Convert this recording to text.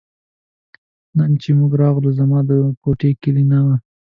نن چې موږ راغلو زما د کوټې کیلي نه وه.